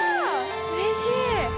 うれしい。